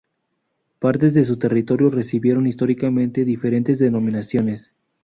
Partes de su territorio recibieron, históricamente, diferentes denominaciones.